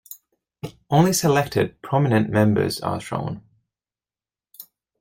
Only selected, prominent members are shown.